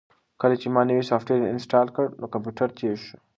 کله چې ما نوی سافټویر انسټال کړ نو کمپیوټر تېز شو.